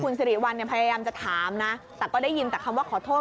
สิริวัลเนี่ยพยายามจะถามนะแต่ก็ได้ยินแต่คำว่าขอโทษ